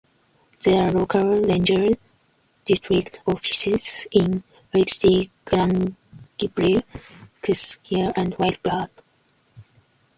There are local ranger district offices in Elk City, Grangeville, Kooskia, and White Bird.